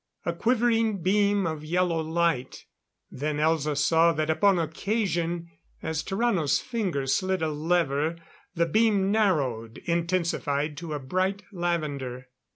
A quivering beam of yellow light; then Elza saw that upon occasion, as Tarrano's finger slid a lever, the beam narrowed, intensified to a bright lavender.